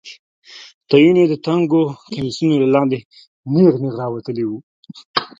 تيونه يې د تنګو کميسونو له لاندې نېغ نېغ راوتلي وو.